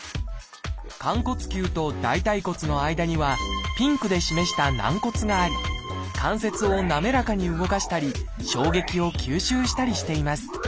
寛骨臼と大腿骨の間にはピンクで示した軟骨があり関節を滑らかに動かしたり衝撃を吸収したりしています。